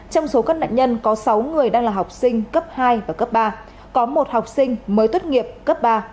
trong số các nạn nhân có sáu người đang là học sinh cấp hai và cấp ba có một học sinh mới tốt nghiệp cấp ba